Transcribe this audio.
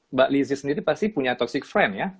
mbak lizzie sendiri pasti punya toxic friend ya